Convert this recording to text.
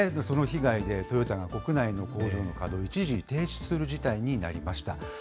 その被害で、トヨタが国内の工場の稼働、一時停止する事態になりました。